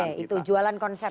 oke itu jualan konsep